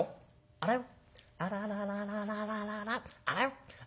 あらよ